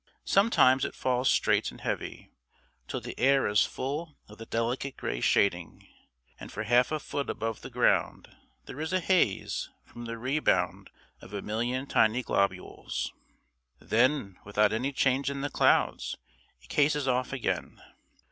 Sometimes it falls straight and heavy, till the air is full of the delicate gray shading, and for half a foot above the ground there is a haze from the rebound of a million tiny globules. Then without any change in the clouds it cases off again.